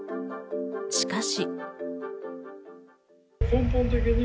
しかし。